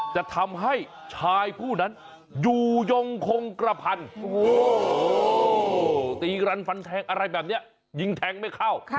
จะทำให้ชายผู้นั้นอยู่ยงคงกระพันตีกันฟันแทงอะไรแบบนี้ยิงแทงไม่เข้า